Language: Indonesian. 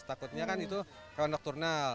takutnya kan itu hewan dokturnal